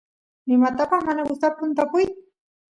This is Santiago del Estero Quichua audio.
nimatapas mana gustapun tapuy